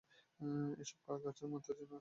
এইসব গাছের মাথা যেন আকাশ স্পর্শ করেছে।